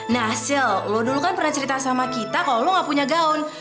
nah sill lo dulu kan pernah cerita sama kita kalau lo gak punya gaun